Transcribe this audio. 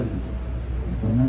masih itu bingung pak